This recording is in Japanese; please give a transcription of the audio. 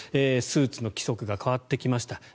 スーツの規則が変わってきました。